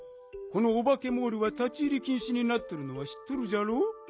このオバケモールは立ち入りきんしになっとるのはしっとるじゃろう？